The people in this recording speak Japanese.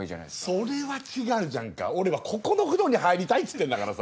それは違うじゃんか俺はここの風呂に入りたいっつってんだからさ！